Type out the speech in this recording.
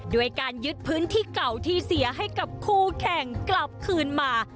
ด้วยการยึดพื้นที่เก่าที่เสียให้กับคู่แข่งกลับคืนมา